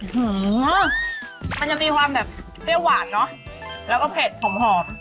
หือมันจะมีความแบบเปรี้ยวหวานเนอะแล้วก็เผ็ดหอมหอม